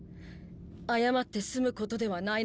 謝って済むことではないのですが。